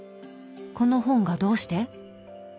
この本がどうして？